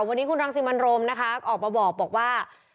วันนี้คุณรังสิมันโรมนะคะออกมาบอกว่า